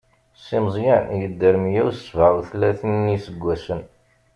Si Meẓyan yedder meyya u sebɛa u tlatin n iseggasen.